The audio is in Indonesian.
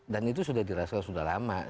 dan itu sudah dirasakan sudah lama